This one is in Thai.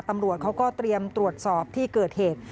ตำรวจเขาก็เตรียมตรวจสอบที่เกิดเหตุ